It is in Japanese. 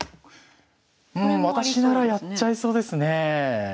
私ならやっちゃいそうですね。